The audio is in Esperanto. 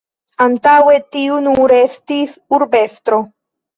Antaŭe tiu nur estis urbestro.